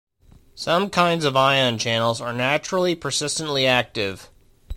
Some kinds of ion channels are naturally persistently active.